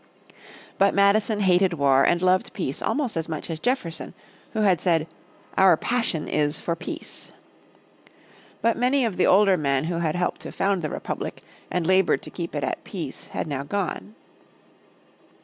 But Madison hated war and loved peace almost as much as Jefferson who had said "our passion is for peace." But many of the older men who had helped to found the Republic and laboured to keep it at peace had now gone.